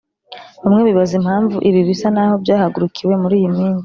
bamwe bibaza impamvu ibi bisa naho byahagurukiwe muri iyi minsi